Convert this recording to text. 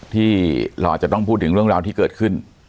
ที่เราอาจจะต้องพูดถึงเรื่องราวที่เกิดขึ้น